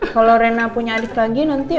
kalau rena punya adik lagi nanti